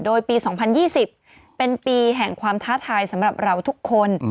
โดยปี๒๐๒๐เป็นปีแห่งความท้าทายสำหรับเราทุกคน